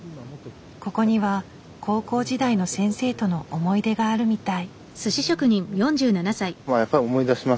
ここには高校時代の先生との思い出があるみたい。